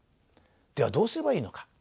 ではどうすればいいのか。